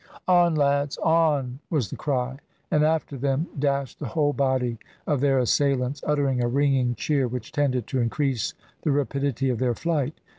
"On lads! on!" was the cry, and after them dashed the whole body of their assailants uttering a ringing cheer which tended to increase the rapidity of their flight.